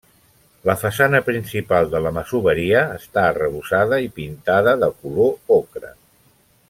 La façana principal de la masoveria està arrebossada i pintada de color ocre.